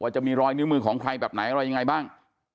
จะมีรอยนิ้วมือของใครแบบไหนอะไรยังไงบ้าง